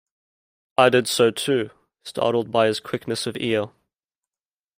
I did so too, startled by his quickness of ear.